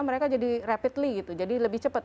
mereka jadi rapidly gitu jadi lebih cepat